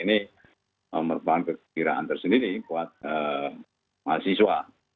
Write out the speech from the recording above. ini merupakan kekiraan tersendiri buat mahasiswa